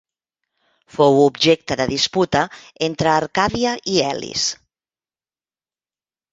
Fou objecte de disputa entre Arcàdia i Elis.